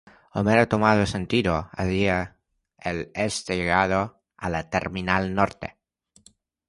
Homero, tomando sentido hacia el este llegando a la terminal norte.